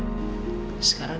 mawar di mana sekarang